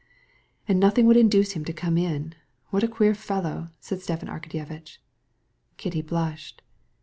"And nothing would induce him to come up. What a queer fellow he is!" added Stepan Arkadyevitch. Kitty blushed.